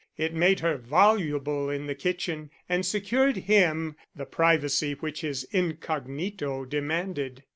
It made her voluble in the kitchen and secured him the privacy which his incognito demanded.